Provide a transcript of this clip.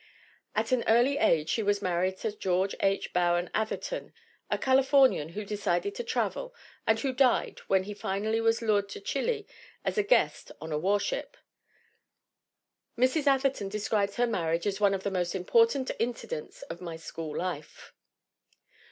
At an early age she was married to George H. Bowen Atherton, a Calif ornian who declined to travel and who died when he finally was lured to Chile as a guest on a warship. Mrs. Atherton describes her marriage as "one of the most important incidents of my school life."